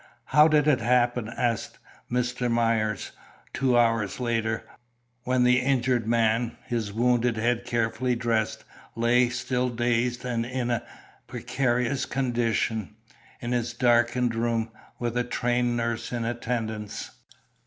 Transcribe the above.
"How did it happen?" asked Mr. Myers, two hours later, when the injured man his wounded head carefully dressed lay, still dazed and in a precarious condition, in his darkened room, with a trained nurse in attendance.